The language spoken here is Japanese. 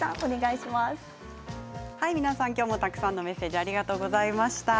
皆さん、きょうもたくさんのメッセージありがとうございました。